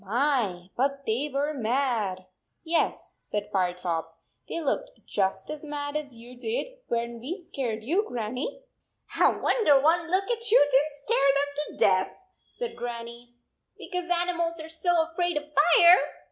My, but they were mad !" "Yes," said Firetop, "they looked just as mad as you did, when we scared you, Grannie." " I wonder one look at you did n t scare them to death," said Grannie, "because animals are so afraid of fire